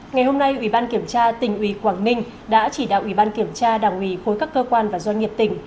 ngày hôm nay ủy ban kiểm tra tỉnh ủy quảng ninh đã chỉ đạo ủy ban kiểm tra đảng ủy khối các cơ quan và doanh nghiệp tỉnh